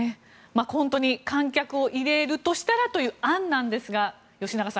観客を入れるとしたらという案なんですが吉永さん